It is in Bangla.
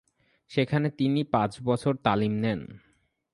সেখানে তিনি পাঁচ বছর তালিম নেন।